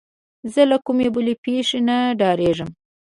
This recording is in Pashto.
زه له کومې بلې پېښې نه ډارېدم.